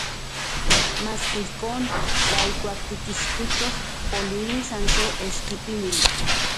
Maski ijkon, tla ijkuak tikixtijtos poliuis san se eschipinili...